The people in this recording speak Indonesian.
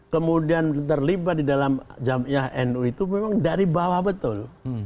kemudian terlibat di dalam jamaah nu itu memang dari bawah betul